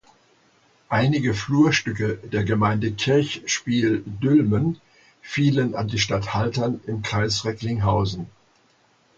Einige Flurstücke der Gemeinde Kirchspiel Dülmen fielen an die Stadt Haltern im Kreis Recklinghausen.